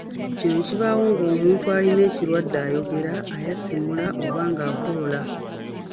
Kino kibaawo ng’omuntu omuntu alina ekirwadde ayogera, ayasimula oba ng’akolola.